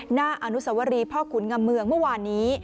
หน้าอนุสวรีพ่อขุนงำเมืองเมื่อวานนี้